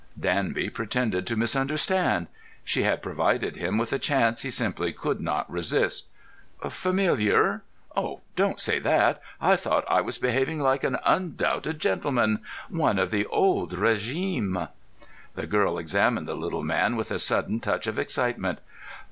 Danby pretended to misunderstand. She had provided him with a chance he simply could not resist. "Familiar? Oh, don't say that. I thought I was behaving like an undoubted gentleman—one of the old régime." The girl examined the little man with a sudden touch of excitement.